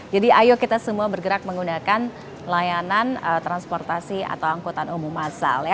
jadi ayo kita semua bergerak menggunakan layanan transportasi atau angkutan umum masal